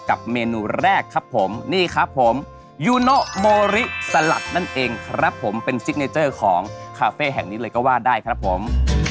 เมนูแรกครับผมนี่ครับผมยูโนโมริสลัดนั่นเองครับผมเป็นซิกเนเจอร์ของคาเฟ่แห่งนี้เลยก็ว่าได้ครับผม